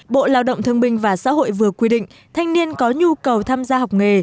bộ lao động thương minh và xã hội vừa quy định thanh niên có nhu cầu tham gia học nghề